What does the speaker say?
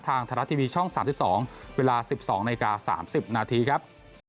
ทางทะละทีวีช่อง๓๒เวลา๑๒น๓๐นาทีครับ